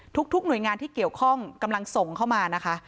ทุกหน่วยงานที่เกี่ยวข้องกำลังส่งเข้ามานะคะ